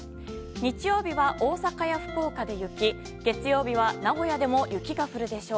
日曜日は大阪や福岡で雪月曜日は名古屋でも雪が降るでしょう。